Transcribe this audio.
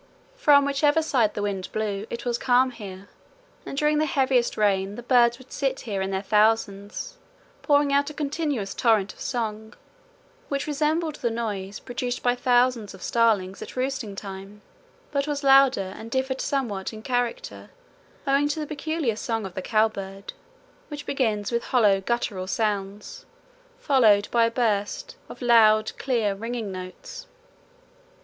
From whichever side the wind blew it was calm here, and during the heaviest rain the birds would sit here in their thousands, pouring out a continuous torrent of song, which resembled the noise produced by thousands of starlings at roosting time, but was louder and differed somewhat in character owing to the peculiar song of the cow bird, which begins with hollow guttural sounds, followed by a burst of loud clear ringing notes.